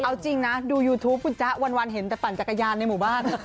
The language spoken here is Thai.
เอาจริงนะดูยูทูปคุณจ๊ะวันเห็นแต่ปั่นจักรยานในหมู่บ้าน